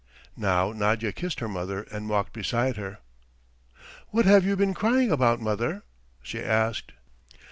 Now Nadya kissed her mother and walked beside her. "What have you been crying about, mother?" she asked.